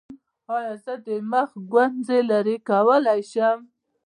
ایا زه د مخ ګونځې لرې کولی شم؟